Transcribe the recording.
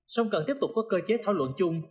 song cần tiếp tục có cơ chế thảo luận chung